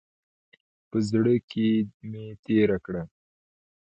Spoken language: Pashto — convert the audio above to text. په زړه کې مې تېره کړه.